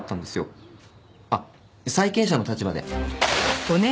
あっ債権者の立場で。